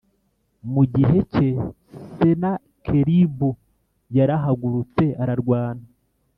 Mu gihe cye, Senakeribu yarahagurutse, ararwana